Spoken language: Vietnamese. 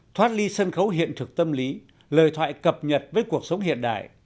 thoát ly sân khấu hiện thực tâm lý lời thoại cập nhật với cuộc sống hiện đại